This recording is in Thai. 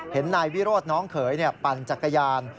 นายวิโรธน้องเขยปั่นจักรยาน